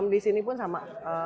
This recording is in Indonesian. di sini pun sama